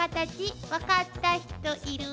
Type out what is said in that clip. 分かった人いる？